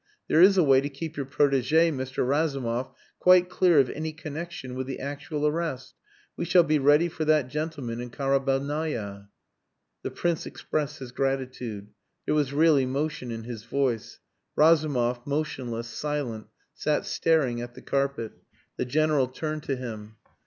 "There is a way to keep your protege, Mr. Razumov, quite clear of any connexion with the actual arrest. We shall be ready for that gentleman in Karabelnaya." The Prince expressed his gratitude. There was real emotion in his voice. Razumov, motionless, silent, sat staring at the carpet. The General turned to him.